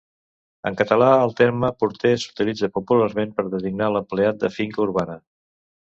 En català, el terme porter s'utilitza popularment per designar a l'empleat de finca urbana.